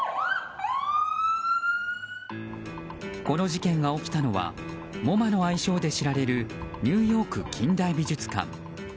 この事件が起きたのはＭｏＭＡの愛称で知られるニューヨーク近代美術館。